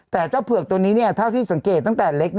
แต่เจ้าเผือกตัวนี้เท่าที่สังเกตตั้งแต่เล็ก